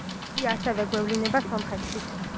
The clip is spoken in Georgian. იგი ასევე გვევლინება სომხეთშიც.